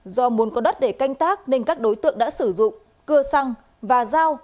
do muốn có đất để canh tác nên các đối tượng đã sử dụng cưa xăng và dao